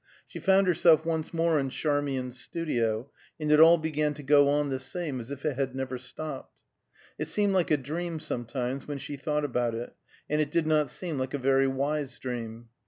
She found herself once more in Charmian's studio, and it all began to go on the same as if it had never stopped. It seemed like a dream, sometimes, when she thought about it, and it did not seem like a very wise dream.